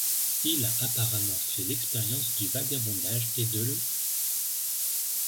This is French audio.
Il a apparemment fait l'expérience du vagabondage et de l'.